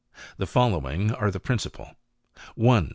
The follow ing are the principal : 1 .